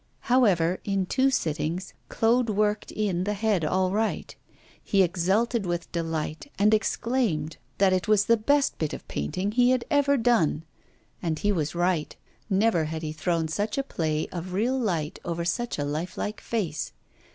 However, in two sittings, Claude worked in the head all right. He exulted with delight, and exclaimed that it was the best bit of painting he had ever done; and he was right, never had he thrown such a play of real light over such a life like face.